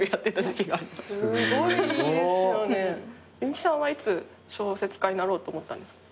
結城さんはいつ小説家になろうと思ったんですか？